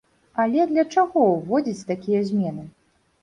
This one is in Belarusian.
Але для чаго ўводзіць такія змены?